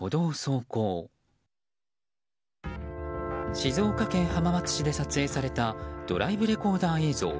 静岡県浜松市で撮影されたドライブレコーダー映像。